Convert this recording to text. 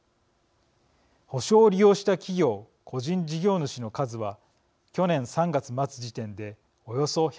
保証を利用した企業個人事業主の数は去年３月末時点でおよそ１５８万。